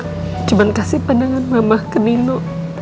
cuman kasih pandangan mama ke nino